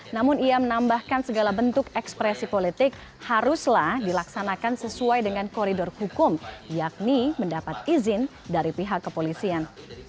namun ia menambahkan segala bentuk ekspresi politik haruslah dilaksanakan sesuai dengan koridor hukum yakni mendapat izin dari pihak kepolisian